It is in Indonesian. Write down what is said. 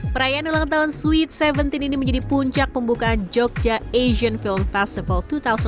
perayaan ulang tahun sweet seventeen ini menjadi puncak pembukaan jogja asian film festival dua ribu dua puluh dua